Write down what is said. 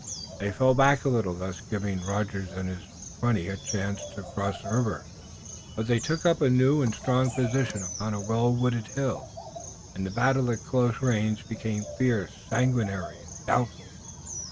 They fell back a little, thus giving Rogers and his twenty a chance to cross the river, but they took up a new and strong position upon a well wooded hill, and the battle at close range became fierce, sanguinary and doubtful.